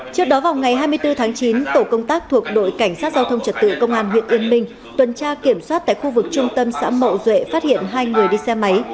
trước đó vào ngày hai mươi bốn tháng chín tổ công tác thuộc đội cảnh sát giao thông trật tự công an huyện yên minh tuần tra kiểm soát tại khu vực trung tâm xã mậu duệ phát hiện hai người đi xe máy